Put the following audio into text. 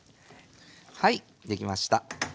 はい出来ました。